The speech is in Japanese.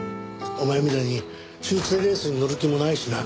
お前みたいに出世レースに乗る気もないしな。